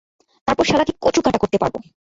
তারপর শালাকে কচুকাটা করতে পারব!